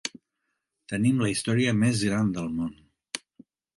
Tenim la història més gran de món.